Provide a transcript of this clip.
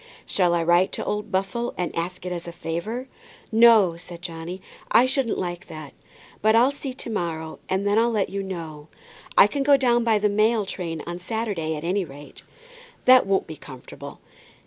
"Shall I write to old Buffle, and ask it as a favour?" "No," said Johnny; "I shouldn't like that. But I'll see to morrow, and then I'll let you know. I can go down by the mail train on Saturday, at any rate." "That won't be comfortable.